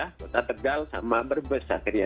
kota tegal sama brebes akhirnya